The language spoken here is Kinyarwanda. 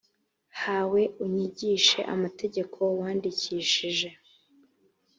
hawe unyigishe amategeko wandikishije